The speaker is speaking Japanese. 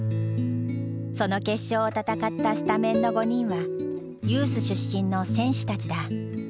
その決勝を戦ったスタメンの５人はユース出身の選手たちだ。